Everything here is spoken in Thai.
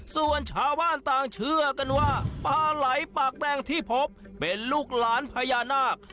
ส่วนชาวบ้านต่างเชื่อกันว่าปลาไหลปากแดงที่พบเป็นลูกหลานพญานาค